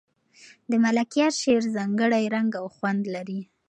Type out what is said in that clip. د ملکیار شعر ځانګړی رنګ او خوند لري.